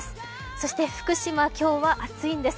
そして福島、今日は暑いんです。